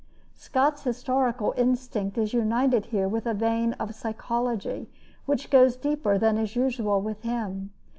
Scott's historical instinct is united here with a vein of psychology which goes deeper than is usual with him.